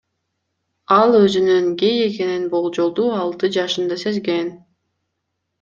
Ал өзүнүн гей экенин болжолдуу алты жашында сезген.